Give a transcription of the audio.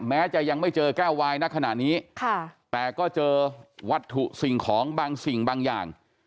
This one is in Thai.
แม้จะยังไม่เจอแก้ววายณขณะนี้แต่ก็เจอวัตถุสิ่งของบางสิ่งบางอย่าง